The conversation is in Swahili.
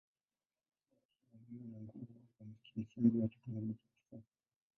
Leo hii umeme ni nguvu ya kimsingi wa teknolojia ya kisasa.